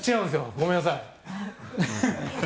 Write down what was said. ごめんなさい。